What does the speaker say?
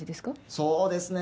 そうですね